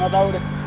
gak tau deh